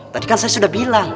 tadi kan saya sudah bilang